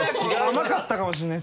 甘かったかもしれない。